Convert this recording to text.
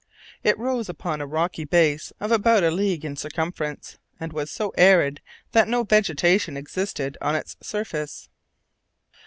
It rose upon a rocky base of about a league in circumference, and was so arid that no vegetation existed on its surface.